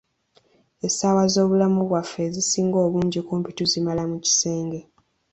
Essaawa z‘obulamu bwaffe ezisinga obungi kumpi tuzimala mu kisenge.